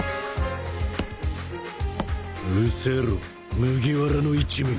うせろ麦わらの一味。